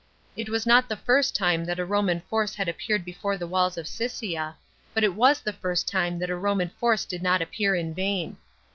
It was not the first time that a Roman force had appeared before the walls of Siscia, but it was the first time that a Roman force did not appear in vain.